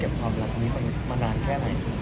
แก้มเก็บความรักนี้มานานแค่ไหม